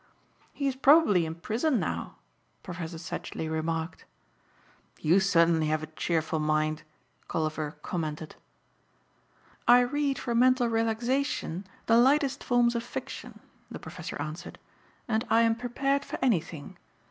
"He is probably in prison now," Professor Sedgely remarked. "You certainly have a cheerful mind," Colliver commented. "I read for mental relaxation the lightest forms of fiction," the professor answered, "and I am prepared for anything.